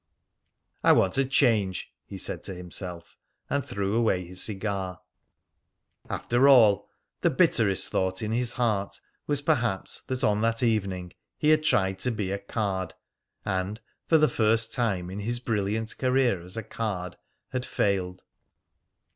"I want a change!" he said to himself, and threw away his cigar. After all, the bitterest thought in his heart was perhaps that on that evening he had tried to be a "card," and, for the first time in his brilliant career as a "card," had failed.